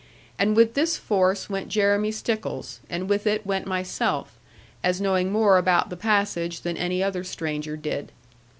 And with this force went Jeremy Stickles, and with it went myself, as knowing more about the passage than any other stranger did.